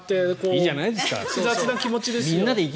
いいじゃないですか。